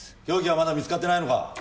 凶器はまだ見つかってないのか？